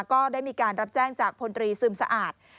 ก็ได้มีการรับแจ้งจากพลตรีซึมสะอาด